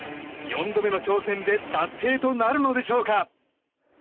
４度目の挑戦で達成となるのでしょうか。